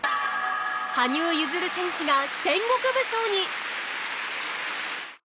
羽生結弦選手が戦国武将に！